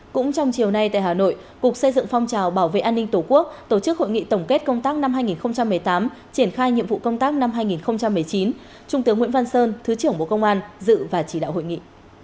cũng trong chiều nay tại hà nội cục xây dựng phong trào bảo vệ an ninh tổ quốc tổ chức hội nghị tổng kết công tác năm hai nghìn một mươi tám triển khai nhiệm vụ công tác năm hai nghìn một mươi chín trung tướng nguyễn văn sơn thứ trưởng bộ công an dự và chỉ đạo hội nghị